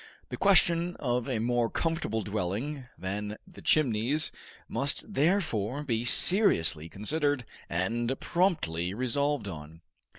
The question of a more comfortable dwelling than the Chimneys must therefore be seriously considered and promptly resolved on.